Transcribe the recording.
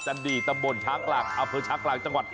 จันดีตำบลช้างหล่าง